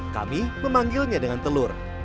kami memanggilnya dengan telur